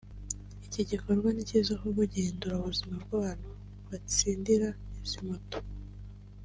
Iki gikorwa ni cyiza kuko gihindura ubuzima bw’abantu batsindira izi moto